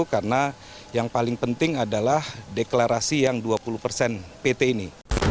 karena yang paling penting adalah deklarasi yang dua puluh persen pt ini